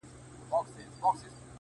گراني شاعري ستا په خوږ ږغ كي _